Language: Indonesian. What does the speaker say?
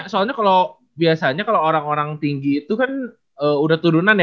soalnya kalau biasanya kalau orang orang tinggi itu kan udah turunan ya